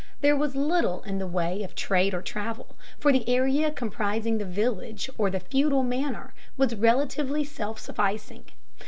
There was little in the way of trade or travel, for the area comprising the village or the feudal manor was relatively self sufficing.